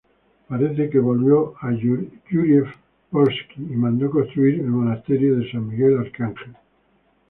Parece que volvió a Yúriev-Polski y mandó construir el monasterio de San Miguel Arcángel.